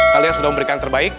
kalian sudah memberikan terbaik